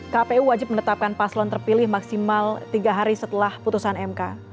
kpu wajib menetapkan paslon terpilih maksimal tiga hari setelah putusan mk